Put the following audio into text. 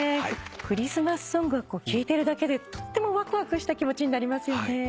クリスマスソング聴いてるだけでとってもわくわくした気持ちになりますよね。